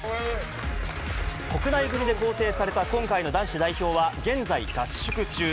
国内組で構成された今回の男子代表は、現在合宿中。